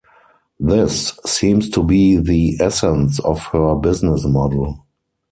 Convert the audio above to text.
This seems to be the essence of her business model.